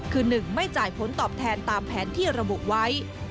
คือ๑ไม่จ่ายผลตอบแทนตามแผนที่ระบุไว้